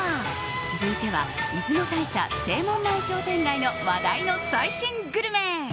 続いては出雲大社正門前商店街の話題の最新グルメ。